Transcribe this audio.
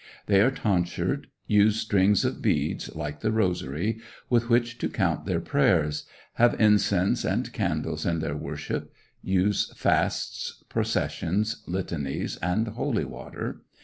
They are tonsured; use strings of beads, like the rosary, with which to count their prayers; have incense and candles in their worship; use fasts, processions, litanies, and holy water.